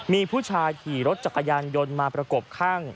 มีผู้ชายขี่รถจักรยานยนต์มาประกบข้าง